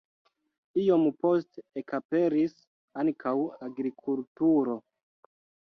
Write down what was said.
Iom poste ekaperis ankaŭ agrikulturo.